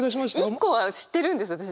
一個は知ってるんです私。